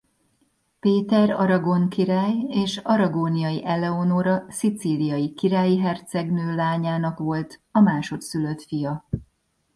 Péter aragón király és Aragóniai Eleonóra szicíliai királyi hercegnő lányának volt a másodszülött fia.